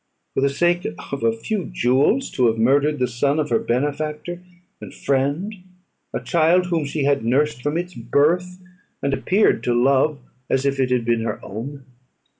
For the sake of a few jewels, to have murdered the son of her benefactor and friend, a child whom she had nursed from its birth, and appeared to love as if it had been her own!